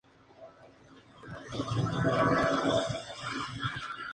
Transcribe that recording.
Finalmente, ella decidió pedir a Clemons que tocara el instrumento.